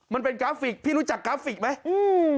มันเป็นกราฟิกพี่รู้จักกราฟิกไหม